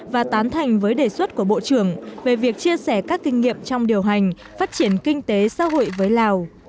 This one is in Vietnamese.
và tán thành với đề xuất của bộ trưởng về việc chia sẻ các kinh nghiệm trong điều hành phát triển kinh tế xã hội với lào